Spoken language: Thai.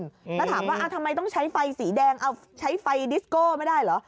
แล้วถามว่าทำไมต้องใช้ไฟสีแดงเอาใช้ไฟดิสโก้ไม่ได้เหรอ